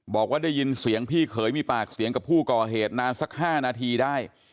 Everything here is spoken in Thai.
บอกว่าได้ยินเสียงพี่เขยมีปากเสียงกับผู้ก่อเหตุนานสัก๕นาทีได้